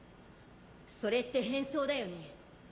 それって変装だよね？